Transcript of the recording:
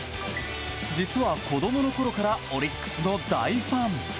実は、子供のころからオリックスの大ファン。